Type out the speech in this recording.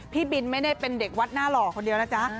พี่บินไม่ได้เป็นเด็กวัดหน้าหล่อคนเดียวนะจ๊ะ